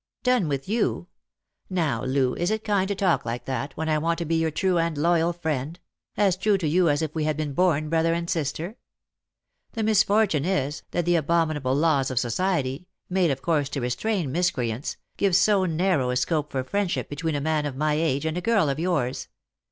" Done with you ! Now, Loo, is it kind to talk like that, when I want to be your true and loyal friend— as true to you as if we had been born brother and sister ? The misfortune is, that the abominable laws of society — made, of course, to restrain miscreants — give so narrow a scope for friendship between a man of my age and a girl of yours.